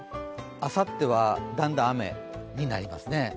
あさってはだんだん雨になりますね。